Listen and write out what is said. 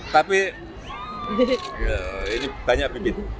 tapi ini banyak pilihan